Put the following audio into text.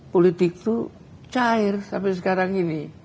politik itu cair sampai sekarang ini